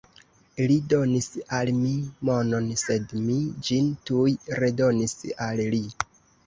Li donis al mi monon, sed mi ĝin tuj redonis al li.